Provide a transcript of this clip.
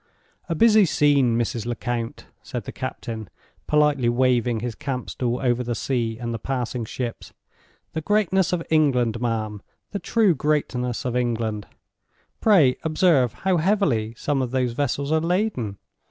"A busy scene, Mrs. Lecount," said the captain, politely waving his camp stool over the sea and the passing ships. "The greatness of England, ma'am—the true greatness of England. Pray observe how heavily some of those vessels are laden!